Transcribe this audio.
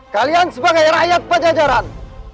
kalian sebagai rakyat pajajaran